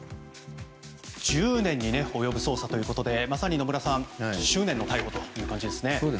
１０年に及ぶ捜査ということでまさに野村さん執念の逮捕という感じですね。